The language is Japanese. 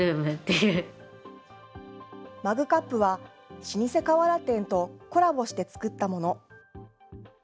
マグカップは、老舗瓦店とコラボして作ったもの。